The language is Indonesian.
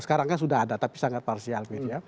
sekarang kan sudah ada tapi sangat parsial media